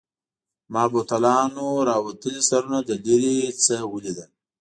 ما بوتلانو راوتلي سرونه له لیري نه ولیدل.